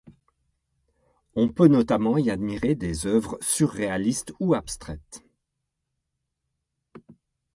On peut notamment y admirer des œuvres surréalistes ou abstraites.